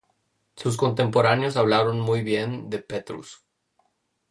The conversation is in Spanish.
Sus contemporáneos hablaron muy bien de Petrus.